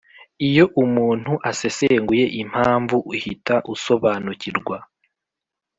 iyo umuntu asesenguye impamvu uhita usobanukirwa